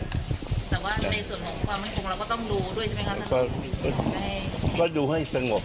แต่ว่าในส่วนของความรับของเราก็ต้องดูด้วยใช่ไหมครับ